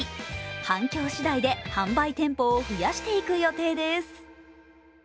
反響しだいで販売店舗を増やしていく予定です。